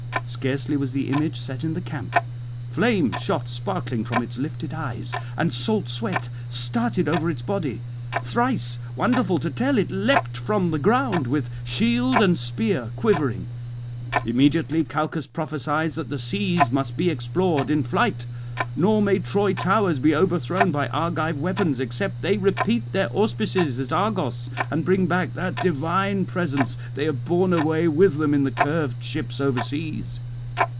Scarcely was the image set in the camp; flame shot sparkling from its lifted eyes, and salt sweat started over its body; thrice, wonderful to tell, it leapt from the ground with shield and spear quivering. Immediately Calchas prophesies that the seas must be explored in flight, nor may Troy towers be overthrown by Argive weapons, except they repeat their auspices at Argos, and bring back that divine presence they have borne away with them in the curved ships overseas.